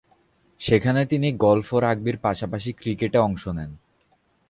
সেখানে তিনি গল্ফ ও রাগবি’র পাশাপাশি ক্রিকেটে অংশ নেন।